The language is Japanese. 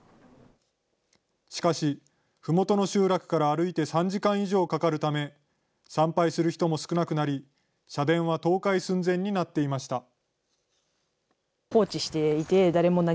しかし、ふもとの集落から歩いて３時間以上かかるため、参拝する人も少なくなり、社殿は倒壊寸前になっていました。